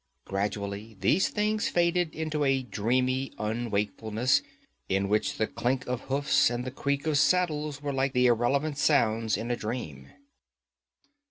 Gradually these things faded into a dreamy unwakefulness in which the clink of hoofs and the creak of saddles were like the irrelevant sounds in a dream.